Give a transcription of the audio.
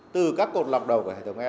từ các cột lọc đầu của hệ thống này